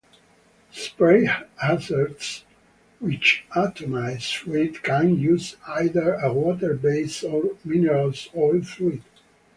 Spray hazers which atomize fluid can use either a water-based or mineral oil fluid.